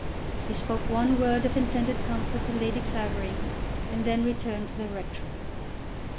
He spoke one word of intended comfort to Lady Clavering, and then returned to the rectory.